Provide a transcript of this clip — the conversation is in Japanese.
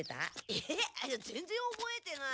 えっいや全然覚えてない。